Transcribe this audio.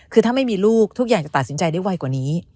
คือถ้าไม่มีลูกทุกอย่างจะตัดสินใจได้ไวกว่านี้